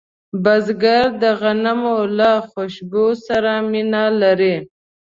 بزګر د غنمو له خوشبو سره مینه لري